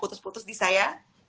putus putus di saya